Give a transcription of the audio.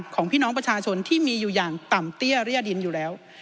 ของพี่น้องประชาชนที่มีอยู่อย่างต่ำเตี้ยเรียดินอยู่แล้ว